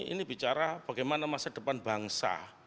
ini bicara bagaimana masa depan bangsa